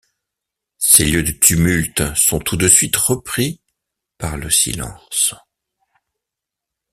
Ces lieux de tumulte sont tout de suite repris par le silence.